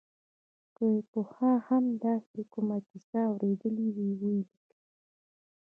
که یې پخوا هم داسې کومه کیسه اورېدلې وي ولیکي.